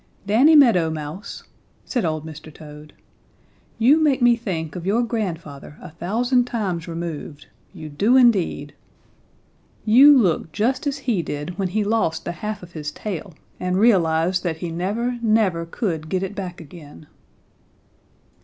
"Danny Meadow Mouse," said old Mr. Toad, "you make me think of your grandfather a thousand times removed. You do indeed. You look just as he did when he lost the half of his tail and realized that he never, never could get it back again."